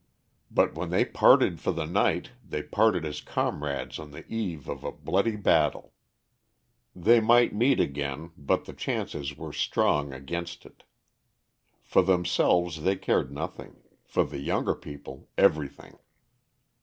But when they parted for the night they parted as comrades on the eve of a bloody battle. They might meet again, but the chances were strong against it. For themselves they cared nothing; for the younger people, everything.